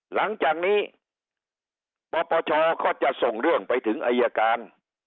หลังจากนี้ปปชก็จะส่งเรื่องไปถึงอายการ